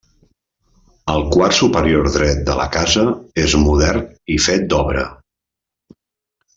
El quart superior dret de la casa és modern i fet d'obra.